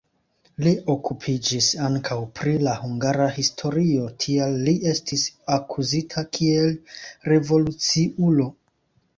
Li okupiĝis ankaŭ pri la hungara historio, tial li estis akuzita kiel revoluciulo.